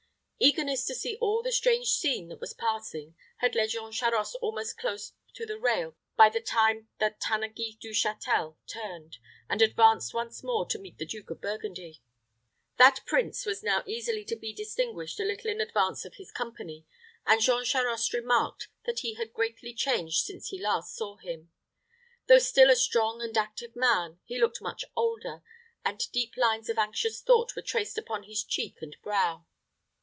Eagerness to see all the strange scene that was passing had led Jean Charost almost close to the rail by the time that Tanneguy du Châtel turned, and advanced once more to meet the Duke of Burgundy. That prince was now easily to be distinguished a little in advance of his company, and Jean Charost remarked that he had greatly changed since he last saw him. Though still a strong and active man, he looked much older, and deep lines of anxious thought were traced upon his cheek and brow.